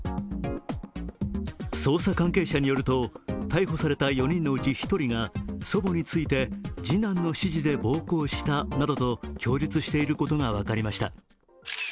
捜査関係者によると、逮捕された４人のうち１人が祖母について次男の指示で暴行したなどと供述していることが分かりました。